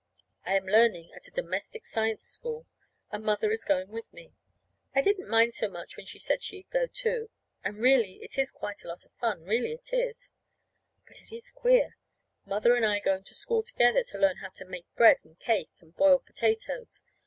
I am learning at a Domestic Science School, and Mother is going with me. I didn't mind so much when she said she'd go, too. And, really, it is quite a lot of fun really it is. But it is queer Mother and I going to school together to learn how to make bread and cake and boil potatoes!